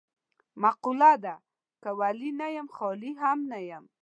مقوله ده: که ولي نه یم خالي هم نه یم.